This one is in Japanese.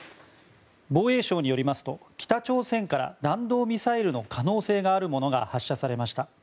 防衛省によりますと北朝鮮から弾道ミサイルの可能性があるものが発射されました。